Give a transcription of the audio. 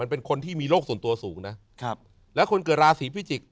เป็นคนที่มีโรคส่วนตัวสูงนะครับแล้วคนเกิดราศีพิจิกษ